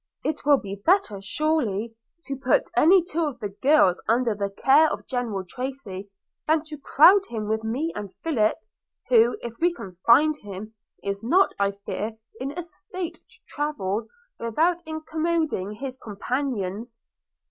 it will be better surely to put any two of the girls under the care of General Tracy, than to crowd him with me and Philip, who, if we can find him, is not, I fear, in a state to travel without incommoding his companions.'